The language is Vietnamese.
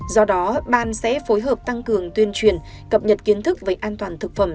do đó ban sẽ phối hợp tăng cường tuyên truyền cập nhật kiến thức về an toàn thực phẩm